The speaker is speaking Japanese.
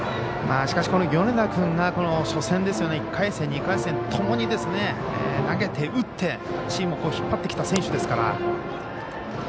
しかし、この米田君が１回戦、２回戦ともに投げて打ってチームを引っ張ってきた選手ですから。